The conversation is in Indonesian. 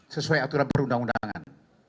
sesuai aturan perundang undangan